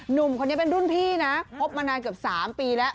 หนุ่มคนนี้เป็นรุ่นพี่นะคบมานานเกือบ๓ปีแล้ว